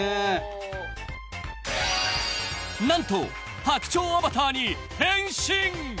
［何と白鳥アバターに変身！］